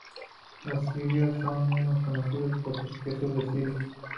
Los sirios son muy conocidos por sus Quesos de Siria.